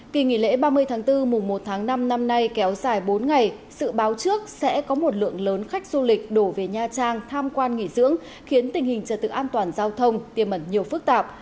kỳ nghỉ lễ ba mươi tháng bốn mùa một tháng năm năm nay kéo dài bốn ngày sự báo trước sẽ có một lượng lớn khách du lịch đổ về nha trang tham quan nghỉ dưỡng khiến tình hình trật tự an toàn giao thông tiêm mẩn nhiều phức tạp